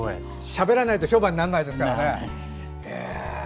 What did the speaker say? しゃべらないと商売にならないですからね。